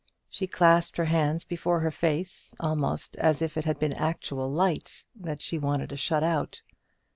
She clasped her hands before her face almost as if it had been actual light that she wanted to shut out.